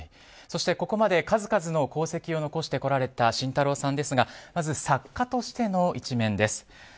そして、ここまで数々の功績を残してこられた慎太郎さんですが作家としての一面です。